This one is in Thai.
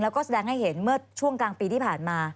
แล้วก็แสดงให้เห็นเมื่อช่วงกลางปีที่ผ่านมา